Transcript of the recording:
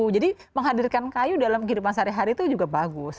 jadi menghadirkan kayu dalam kehidupan sehari hari itu juga bagus